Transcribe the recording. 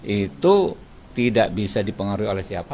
itu tidak bisa dipengaruhi oleh siapa